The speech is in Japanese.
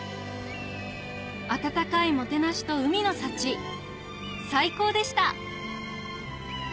温かいもてなしと海の幸最高でした